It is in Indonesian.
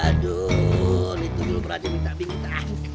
aduh itu dulu berani minta minta